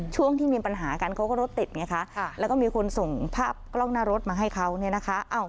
ช่วงที่มีปัญหากันเขาก็รถติดแล้วก็มีคนส่งภาพกล้องหน้ารถมาให้เขา